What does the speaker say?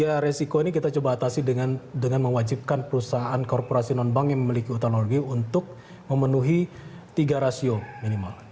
ya resiko ini kita coba atasi dengan mewajibkan perusahaan korporasi non bank yang memiliki hutang untuk memenuhi tiga rasio minimal